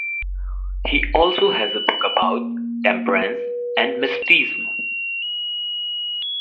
He also has book about temperance and mysticism.